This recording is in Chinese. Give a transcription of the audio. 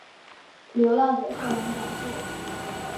流浪者校园讲座